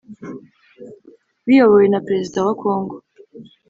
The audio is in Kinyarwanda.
biyobowe na perezida wa congo